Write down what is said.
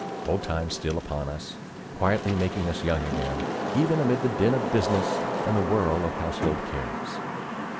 Old times steal upon us, quietly making us young again, even amid the din of business and the whirl of household cares!